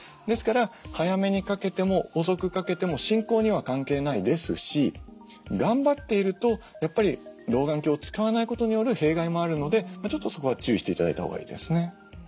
ですから早めに掛けても遅く掛けても進行には関係ないですし頑張っているとやっぱり老眼鏡を使わないことによる弊害もあるのでちょっとそこは注意して頂いたほうがいいですね。